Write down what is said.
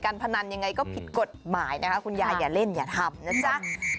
พนันยังไงก็ผิดกฎหมายนะคะคุณยายอย่าเล่นอย่าทำนะจ๊ะ